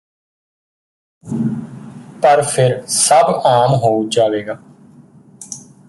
ਪਰ ਫਿਰ ਸਭ ਆਮ ਹੋ ਜਾਵੇਗਾ